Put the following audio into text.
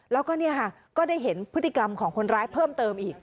แล้วก็เนี่ยค่ะก็ได้เห็นพฤติกรรมของคนร้ายเพิ่มเติมอีก